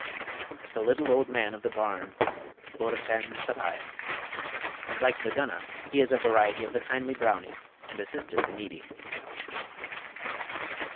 The Little Old Man of the Barn (Bodachan Sabhaill). Like the Gunna, he is a variety the kindly Brownie, and assisted the needy.